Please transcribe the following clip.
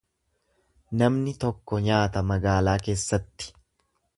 Namni tokko nyaata magaalaa keessatti.